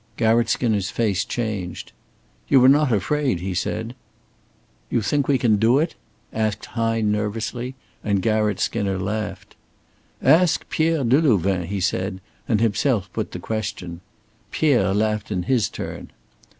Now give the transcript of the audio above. Garratt Skinner's face changed. "You are not afraid," he said. "You think we can do it?" asked Hine, nervously, and Garratt Skinner laughed. "Ask Pierre Delouvain!" he said, and himself put the question. Pierre laughed in his turn.